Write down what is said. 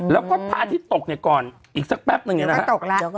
แล้วก็พระอาทิตย์ตกเนี้ยก่อนอีกสักแป๊บหนึ่งเนี้ยนะคะเดี๋ยวก็ตกแล้ว